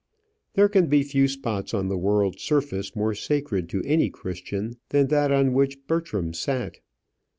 There can be few spots on the world's surface more sacred to any Christian than that on which Bertram sat.